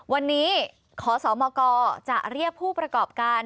วันนี้ขอสมกจะเรียกผู้ประกอบการ